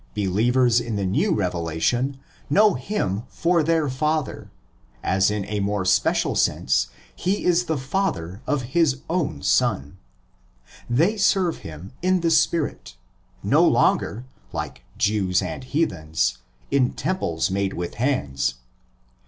Believers in the new revelation know him for their Father, as in a more special sense 124 THE EPISTLE TO THE ROMANS he is the Father of '' his own Son.'' They serve him '*in the spirit ''; no longer, like Jews and heathens, in temples made with hands.